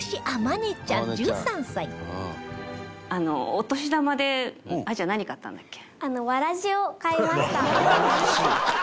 お年玉であーちゃん何買ったんだっけ？